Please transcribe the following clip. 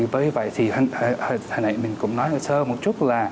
vì vậy hôm nay mình cũng nói thì thơ một chút là